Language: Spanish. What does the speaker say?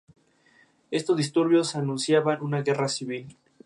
Las acículas, largas y fuertes, se agrupan de dos a dos.